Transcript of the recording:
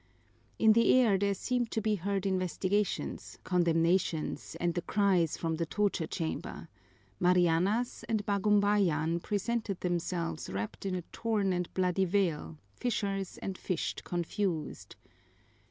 In the air there seemed to be heard investigations, condemnations, and the cries from the torture chamber; Marianas and Bagumbayan presented themselves wrapped in a torn and bloody veil, fishers and fished confused.